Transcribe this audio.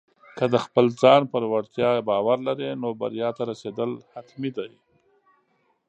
که د خپل ځان پر وړتیا باور لرې، نو بریا ته رسېدل حتمي دي.